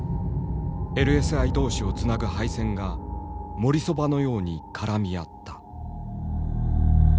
ＬＳＩ同士をつなぐ配線が「もりそば」のように絡み合った。